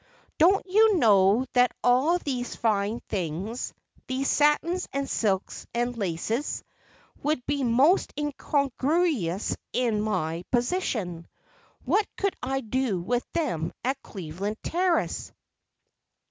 Don't you know that all these fine things these satins and silks and laces would be most incongruous in my position? What could I do with them at Cleveland Terrace?"